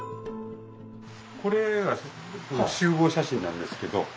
これは集合写真なんですけど。